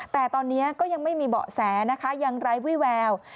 แต่ตอนนี้ก็ยังไม่มีเบาะแสนะคะยังไร้วิแวว